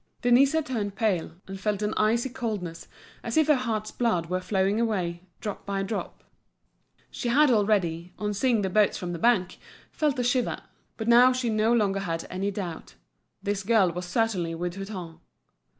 Denise had turned pale, and felt an icy coldness, as if her heart's blood were flowing away, drop by drop. She had already, on seeing the boats from the bank, felt a shiver; but now she no longer had any doubt, this girl was certainly with Hutin.